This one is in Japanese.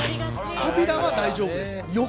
扉は大丈夫です。